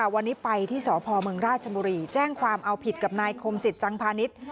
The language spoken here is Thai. วันนี้ไปที่สพเมืองราชบุรีแจ้งความเอาผิดกับนายคมศิษย์จังพาณิชย์